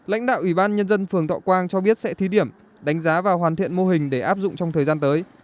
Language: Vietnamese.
lãnh đạo ủy ban nhân dân phường thọ quang cho biết sẽ thí điểm đánh giá và hoàn thiện mô hình để áp dụng trong thời gian tới